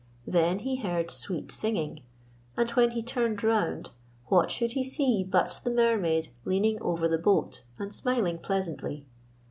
Then he heard sweet singing, and when he turned round what should he see but the Mermaid leaning over the boat and smiling pleasantly.